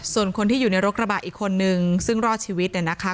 ส่วนคนที่อยู่ในรถกระบะอีกคนนึงซึ่งรอดชีวิตเนี่ยนะคะ